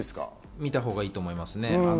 見たほうがいいと思います。